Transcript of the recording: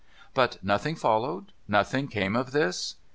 ' But nothing followed ? Nothing came of this